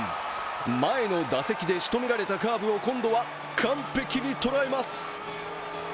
前の打席でしとめられたカーブを今度は完璧にとらえます。